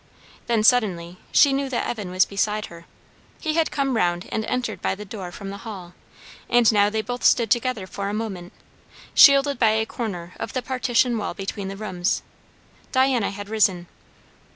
Then suddenly she knew that Evan was beside her. He had come round and entered by the door from the hall; and now they both stood together for a moment, shielded by a corner of the partition wall between the rooms. Diana had risen.